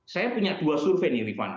saya punya dua survei nih rifan